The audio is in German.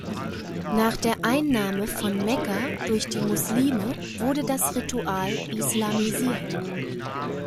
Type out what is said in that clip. Nach der Einnahme von Mekka durch die Muslime wurde das Ritual islamisiert.